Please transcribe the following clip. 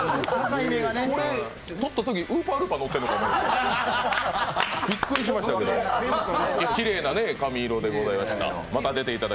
これ取ったとき、ウーパールーパーかなと思ってびっくりしましたけどきれいな髪色でございました。